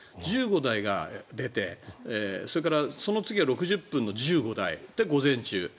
１５題が出てその次は６０分の１５題で午前中。